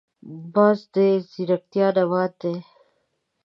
باز د ځیرکتیا نماد دی